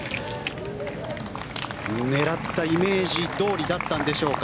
狙ったイメージどおりだったんでしょうか。